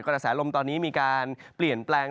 กระแสลมตอนนี้มีการเปลี่ยนแปลง